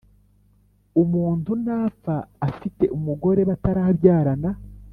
umuntu napfa afite umugore batarabyarana